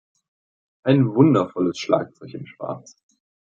Ein wundervolles Schlazgeug in schwarz.